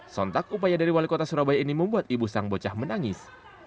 sontak upaya dari wali kota surabaya ini membuat ibu sang bocah menangis